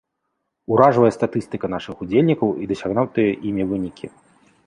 Уражвае статыстыка нашых удзельнікаў і дасягнутыя імі вынікі.